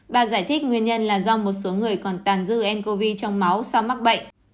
bà giải thích nguyên nhân là do một số người còn tàn dư ncov trong máu sau mắc bệnh